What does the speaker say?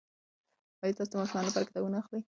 ایا تاسي د ماشومانو لپاره کتابونه اخلئ؟